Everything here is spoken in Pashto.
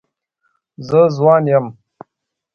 زه ځوان یم.